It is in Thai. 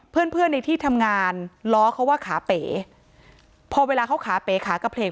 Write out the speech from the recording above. เพื่อนเพื่อนในที่ทำงานล้อเขาว่าขาเป๋พอเวลาเขาขาเป๋ขากระเพลก